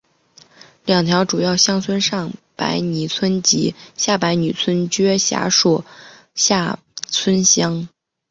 两条主要乡村上白泥村及下白泥村均辖属厦村乡。